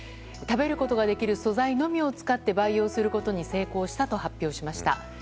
食べることができる素材のみを使って培養することに成功したと発表しました。